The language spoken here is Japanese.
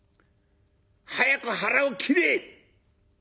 早く腹を切れ！」。